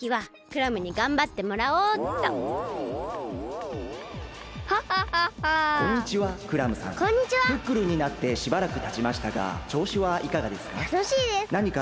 ・クックルンになってしばらくたちましたがちょうしはいかがですか？